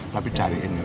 tapi cariin ya